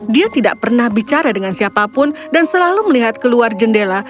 dia tidak pernah bicara dengan siapapun dan selalu melihat keluar jendela